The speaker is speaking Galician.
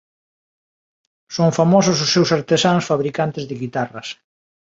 Son famosos os seus artesáns fabricantes de guitarras.